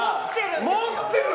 持ってる！